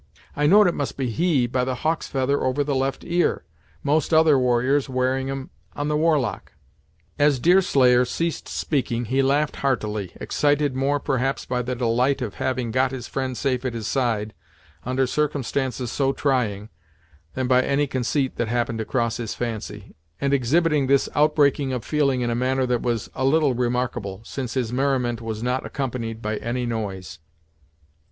I know'd it must be he, by the hawk's feather over the left ear, most other warriors wearing 'em on the war lock." As Deerslayer ceased speaking, he laughed heartily, excited more perhaps by the delight of having got his friend safe at his side, under circumstances so trying, than by any conceit that happened to cross his fancy, and exhibiting this outbreaking of feeling in a manner that was a little remarkable, since his merriment was not accompanied by any noise.